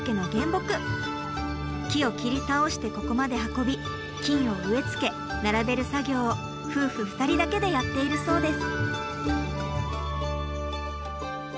木を切り倒してここまで運び菌を植えつけ並べる作業を夫婦２人だけでやっているそうです。